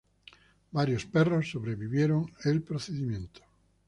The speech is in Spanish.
Varios perros sobrevivieron el procedimiento.